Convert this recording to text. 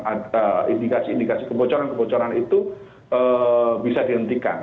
ada indikasi indikasi kebocoran kebocoran itu bisa dihentikan